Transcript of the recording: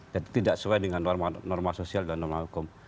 jadi tidak sesuai dengan norma sosial dan norma hukum